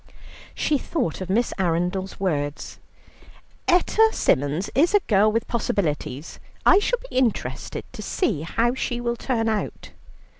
She thought of Miss Arundel's words: "Etta Symons is a girl with possibilities; I shall be interested to see how she will turn out."